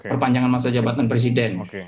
perpanjangan masa jabatan presiden